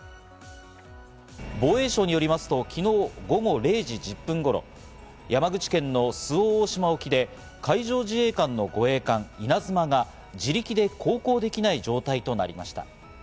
防衛省によりますと、昨日午後０時１０分頃、山口県の周防大島沖で海上自衛官の護衛艦「いなづま」が自力で航行できない状態となりました。